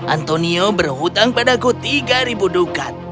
antonio berhutang padaku tiga dukat